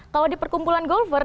kalau di perkumpulan golfer